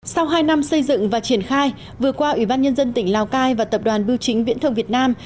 sau hai năm xây dựng và triển khai vừa qua ủy ban nhân dân tỉnh lào cai và tập đoàn bưu chính viễn thông việt nam